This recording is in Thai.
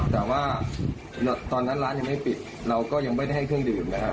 แต่ว่าตอนนั้นร้านยังไม่ปิดเราก็ยังไม่ได้ให้เครื่องดื่มนะครับ